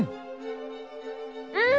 うん！